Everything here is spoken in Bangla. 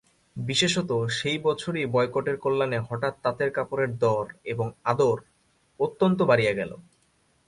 বিশেষত সেই বছরেই বয়কটের কল্যাণে হঠাৎ তাঁতের কাপড়ের দর এবং আদর অত্যন্ত বাড়িয়া গেল।